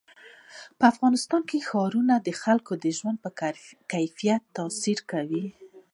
په افغانستان کې ښارونه د خلکو د ژوند په کیفیت تاثیر کوي.